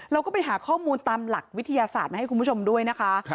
เราก็ไปหาข้อมูลตามหลักวิทยาศาสตร์มาให้คุณผู้ชมด้วยนะคะ